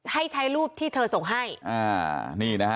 ให้ใช้รูปที่เธอส่งให้